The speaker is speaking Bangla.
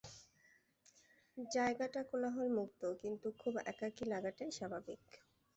জায়গাটা কোলাহলমুক্ত, কিন্তু খুব একাকী লাগাটাই স্বাভাবিক।